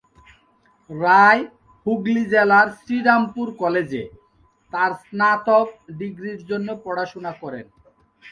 রায়, হুগলি জেলার শ্রীরামপুর কলেজে, তার স্নাতক ডিগ্রির জন্য পড়াশোনা করেন।